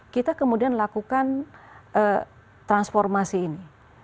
kita kemudian lakukan transformasi ini